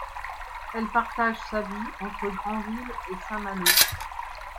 Elle partage sa vie entre Granville et Saint-Malo.